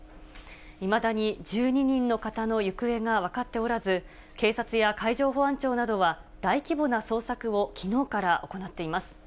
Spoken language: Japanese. いまだに１２人の方の行方が分かっておらず、警察や海上保安庁などは、大規模な捜索をきのうから行っています。